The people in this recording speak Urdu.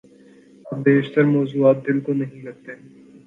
اب بیشتر موضوعات دل کو نہیں لگتے۔